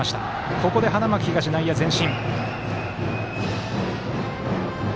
ここで花巻東、内野前進。